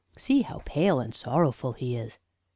See how pale and sorrowful he is!'